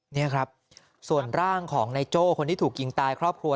นี่ครับส่วนร่างของนายโจ้คนที่ถูกยิงตายครอบครัว